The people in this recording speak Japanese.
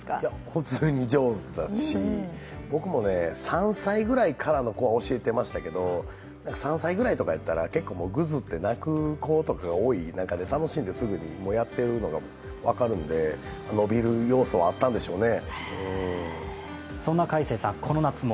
普通に上手だし、僕も３歳ぐらいの子は教えていましたけど、３歳ぐらいとかだったら、ぐずって泣く子とか多い中、楽しんですぐにやっているのが分かるので、伸びる要素はあったんでしょうね。